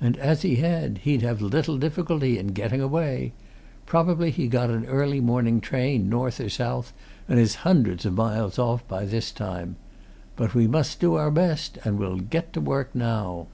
"And as he had, he'd have little difficulty in getting away. Probably he got an early morning train, north or south, and is hundreds of miles off by this time. But we must do our best and we'll get to work now."